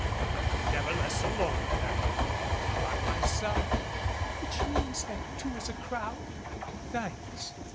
I'm never less alone than when by myself." "Which means that two is a crowd? Thanks.